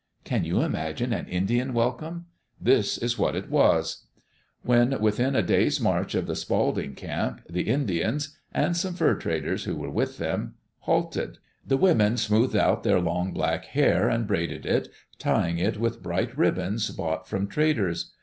Can you imagine an Indian welcome? This is what it was: When within a day's march of the Spalding camp, the Indians — and some fur traders who were with them — halted. The women smoothed out their long black hair and braided it, tying it with bright ribbons bought from traders.